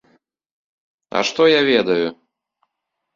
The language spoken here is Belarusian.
А што я ведаю?